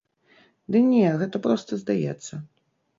Ды не, гэта проста здаецца.